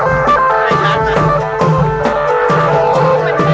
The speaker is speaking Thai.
เพื่อรับความรับทราบของคุณ